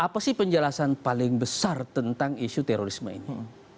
apa sih penjelasan paling besar tentang isu terorisme ini